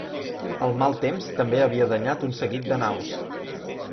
El mal temps també havia danyat un seguit de naus.